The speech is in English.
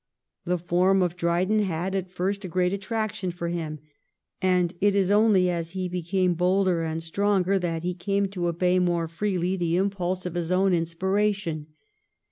The form of Dryden had at first a great attraction for him, and it was only as he grew bolder and stronger that he came to obey more freely 1712 14 POPE AND DRYDEN. 247 the impulse of his own inspiration.